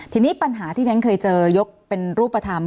ทีนี้ปัญหาที่ฉันเคยเจอยกเป็นรูปธรรม